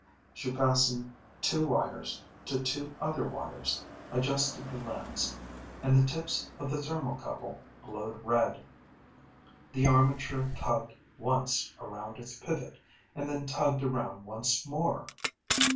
She fastened two wires to two other wires, adjusted the lens, and the tips of the thermocouple glowed red. The armature tugged once around its pivot, and then tugged around once more.